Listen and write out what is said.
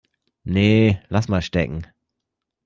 Nee, lass mal stecken.